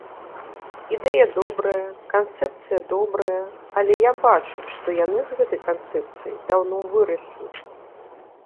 Ідэя добрая, канцэпцыя добрая, але я бачу, што яны з гэтай канцэпцыі даўно выраслі.